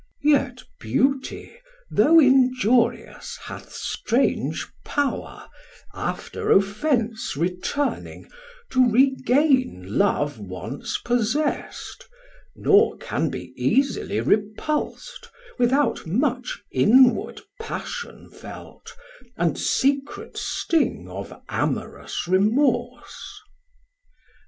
Chor: Yet beauty, though injurious, hath strange power, After offence returning, to regain Love once possest, nor can be easily Repuls't, without much inward passion felt And secret sting of amorous remorse.